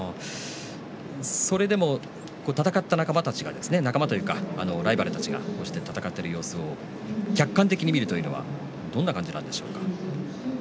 それでも戦った仲間たちが仲間というかライバルたちがこうして戦っている様子を客観的に見るというのはどんな感じなんでしょうか？